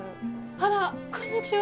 あらこんにちは。